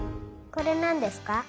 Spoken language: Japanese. これなんですか？